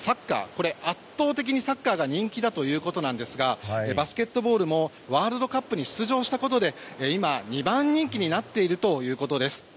これ、圧倒的にサッカーが人気ということですがバスケットボールもワールドカップに出場したことで今、２番人気になっているということです。